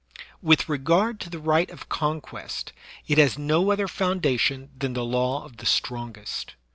With regard to the right of conquest, it has no other foundation than the law of the strongest.